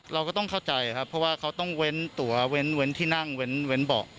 เราก็ต้องเข้าใจครับเพราะว่าเขาต้องเว้นตัวเว้นที่นั่งเว้นเบาะ